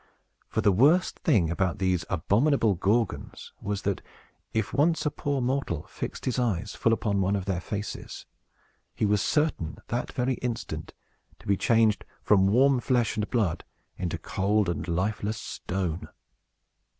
For the worst thing about these abominable Gorgons was, that, if once a poor mortal fixed his eyes full upon one of their faces, he was certain, that very instant, to be changed from warm flesh and blood into cold and lifeless stone!